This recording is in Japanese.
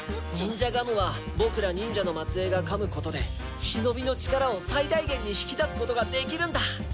ニンジャガムは僕ら忍者の末えいがかむことでシノビの力を最大限に引き出すことができるんだ。